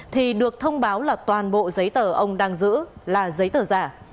thì được thông báo là toàn bộ giấy tờ ông đang giữ là giấy tờ giả